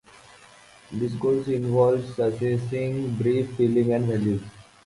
Discourse involves assessing beliefs, feelings, and values.